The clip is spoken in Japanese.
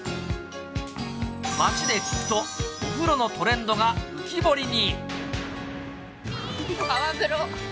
街で聞くと、お風呂のトレンドが浮き彫りに。